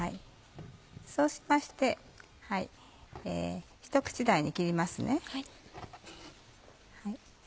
そうしましてひと口大に切りますね。